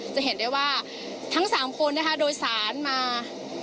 จะเห็นได้ว่าทั้ง๓คนนะคะโดยสารมา